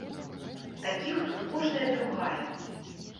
Такіх тут кожная другая.